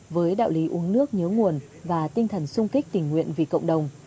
với đạo lý uống nước nhớ nguồn và tinh thần sung kích tình nguyện vì cộng đồng